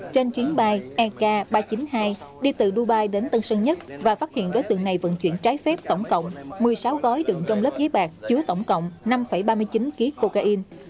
trên chuyến bay ek ba trăm chín mươi hai đi từ dubai đến tân sơn nhất và phát hiện đối tượng này vận chuyển trái phép tổng cộng một mươi sáu gói đựng trong lớp giấy bạc chứa tổng cộng năm ba mươi chín kg cocaine